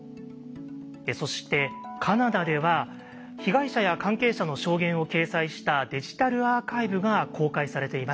そしてカナダでは被害者や関係者の証言を掲載したデジタルアーカイブが公開されています。